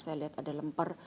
saya lihat ada lemper